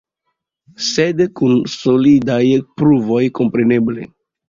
Sed kun solidaj pruvoj, kompreneble.